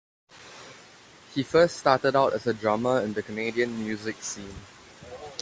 He first started out as a drummer in the Canadian music scene.